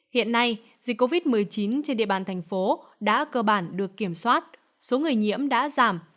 hiện nay dịch covid một mươi chín trên địa bàn thành phố đã cơ bản được kiểm soát số người nhiễm đã giảm